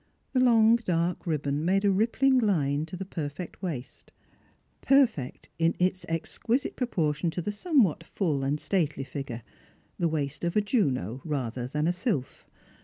The long dark ribbon made a rippling line to the perfect waist; perfect in its exquisite proportion to the somewhat full and stately figure — the waist of a Juno rather than a sylph.